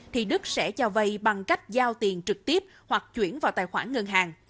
thì đức sẽ cho vay bằng cách giao tiền trực tiếp hoặc chuyển vào tài khoản ngân hàng